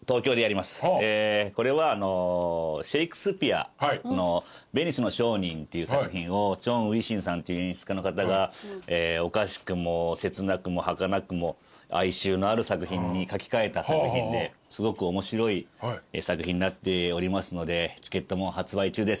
これはシェイクスピアの『ヴェニスの商人』って作品を鄭義信さんっていう演出家の方がおかしくも切なくもはかなくも哀愁のある作品に書き換えた作品ですごく面白い作品になっておりますのでチケットも発売中です。